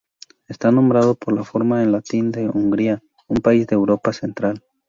Está nombrado por la forma en latín de Hungría, un país de Europa central.